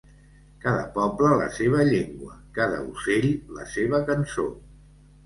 Cada poble la seva llengua, cada ocell la seva cançó.